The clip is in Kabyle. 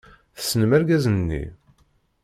Tessnem argaz-nni?